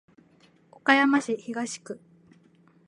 岡山市東区